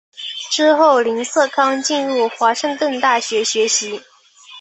之后林瑟康进入华盛顿大学学习。